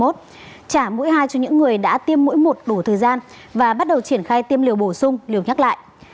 trả mũi hai cho những người đã tiêm mũi một đủ thời gian và bắt đầu triển khai tiêm liều bổ sung liều nhắc lại